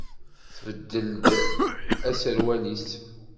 Tbeddel-d aserwal-is?